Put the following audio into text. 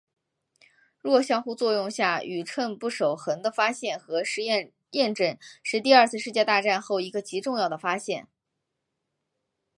弱相互作用下宇称不守恒的发现和实验验证是第二次世界大战后一个极重要的发现。